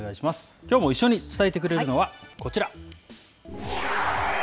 きょうも一緒に伝えてくれるのは、こちら。